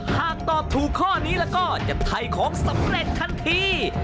หากตอบถูกข้อนี้แล้วก็จะถ่ายของสำเร็จทันที